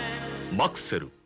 マクセル」。